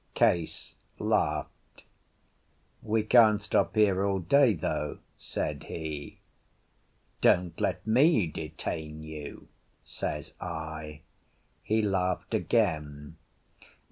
Case laughed. "We can't stop here all day, though," said he. "Don't let me detain you," says I. He laughed again.